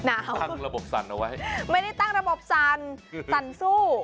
ในมือหนาวไม่ได้ตั้งระบบสั่นสั่นสู้